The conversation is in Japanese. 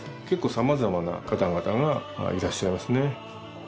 結構さまざまな方々がいらっしゃいますね。